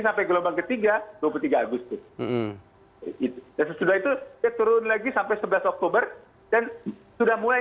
sampai gelombang ketiga dua puluh tiga agustus tersebut juga itu ya turun lagi sampai sebelah sok capt dan sudah mulai